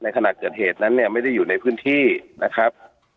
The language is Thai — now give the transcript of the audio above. ขณะเกิดเหตุนั้นเนี่ยไม่ได้อยู่ในพื้นที่นะครับ